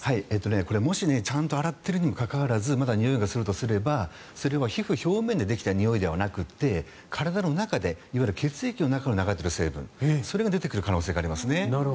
これ、もしちゃんと洗っているにもかかわらずにおいがするんだとすればそれは皮膚表面でできたにおいではなくて、体の中でいわゆる血液の中に流れている成分が出ている可能性があります。